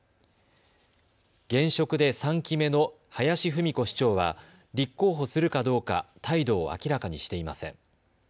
現職で３期目の林文子市長は立候補するかどうか態度を明らかにしていません。